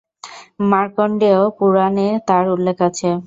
মার্কণ্ডেয় পুরাণ-এ তাঁর উল্লেখ আছে।